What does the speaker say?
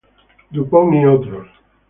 Dupont et al.